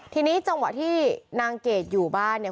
ทีนี้จังหวะที่นางเกดอยู่บ้านเนี่ย